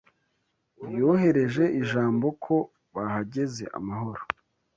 Yohereje ijambo ko bahageze amahoro.